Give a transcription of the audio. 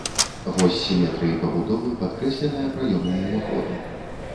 Вось сіметрыі пабудовы падкрэсленая праёмам уваходу.